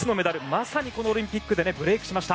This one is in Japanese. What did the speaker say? まさにこのオリンピックでブレークしました。